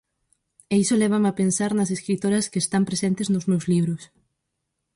E iso lévame a pensar nas escritoras que están presentes nos meus libros.